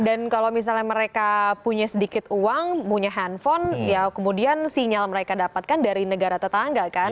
dan kalau misalnya mereka punya sedikit uang punya handphone ya kemudian sinyal mereka dapatkan dari negara tetangga kan